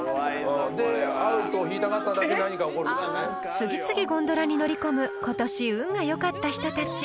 ［次々ゴンドラに乗り込む今年運がよかった人たち］